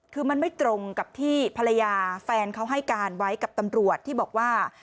คือมันไม่ตรงกับที่ภรรยาแฟนเขาให้การไว้กับตำรวจที่บอกว่า